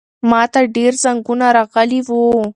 ماته ډېر زنګونه راغلي وو.